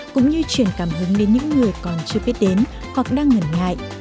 cũng như chuyển cảm hứng đến những người còn chưa biết đến hoặc đang ngẩn ngại